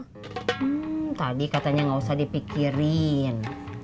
hmm tadi katanya gak usah dipikirin